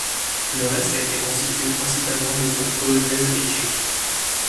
Le reste a été constitué principalement de troupes polonaises et tchèques.